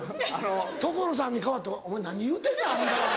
所さんに代わってお前何言うてんねん！